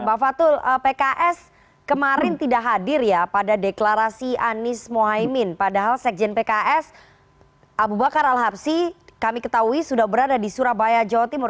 bang fatul pks kemarin tidak hadir ya pada deklarasi anies mohaimin padahal sekjen pks abu bakar al habsi kami ketahui sudah berada di surabaya jawa timur